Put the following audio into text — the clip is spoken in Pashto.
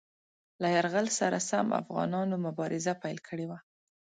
له یرغل سره سم افغانانو مبارزه پیل کړې وه.